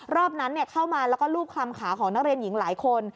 รอบนั้นเข้ามาแล้วก็รูปคลำขาของนักเรียนหญิงหลายคน